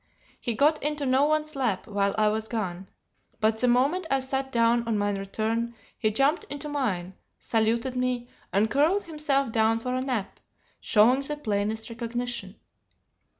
He got into no one's lap while I was gone, but the moment I sat down on my return, he jumped into mine, saluted me, and curled himself down for a nap, showing the plainest recognition.